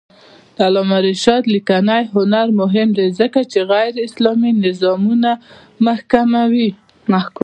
د علامه رشاد لیکنی هنر مهم دی ځکه چې غیراسلامي نظامونه محکوموي.